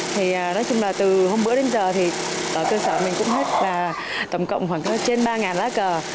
thì nói chung là từ hôm bữa đến giờ thì ở cơ sở mình cũng hết là tổng cộng khoảng trên ba lá cờ